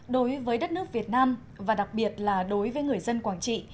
đối với đất nước việt nam và đặc biệt là đối với người dân quảng trị